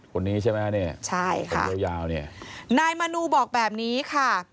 คนนี้ใช่ไหมแยวนี่ใช่ค่ะนายมณูบอกแบบนี้ค่ะ